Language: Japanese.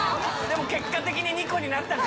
も結果的に２個になったか。